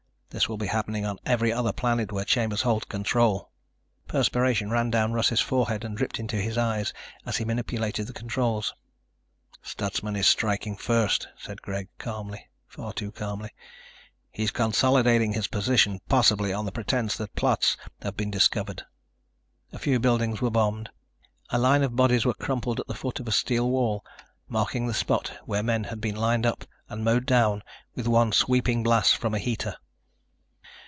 This will be happening on every other planet where Chambers holds control." Perspiration ran down Russ's forehead and dripped into his eyes as he manipulated the controls. "Stutsman is striking first," said Greg, calmly ... far too calmly. "He's consolidating his position, possibly on the pretense that plots have been discovered." A few buildings were bombed. A line of bodies were crumpled at the foot of a steel wall, marking the spot where men had been lined up and mowed down with one sweeping blast from a heater.